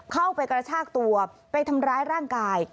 เข้าไปกระชากตัวไปทำร้ายร่างกาย